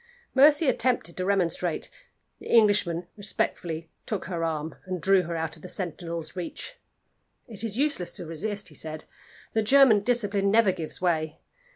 Mercy attempted to remonstrate. The Englishman respectfully took her arm, and drew her out of the sentinel's reach. "It is useless to resist," he said. "The German discipline never gives way.